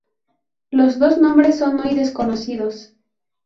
Los dos nombres son hoy desconocidos.